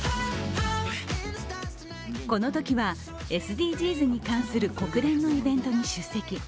このときはＳＤＧｓに関する国連のイベントに出席。